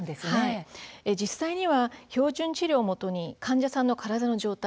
実際には標準治療をもとに患者さんの体の状態